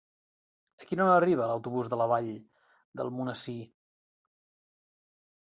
A quina hora arriba l'autobús de la Vall d'Almonesir?